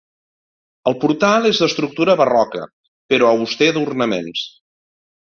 El portal és d'estructura barroca, però auster d'ornaments.